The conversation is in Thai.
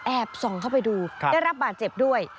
ส่องเข้าไปดูได้รับบาดเจ็บด้วย